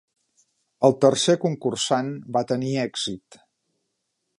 El tercer concursant va tenir èxit.